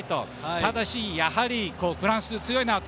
ただし、やはりフランスも強いなと。